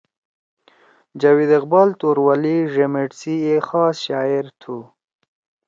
جاوید اقبال توروالی ڙیمیٹ سی اے خاص شاعر تُھو۔